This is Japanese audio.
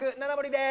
です。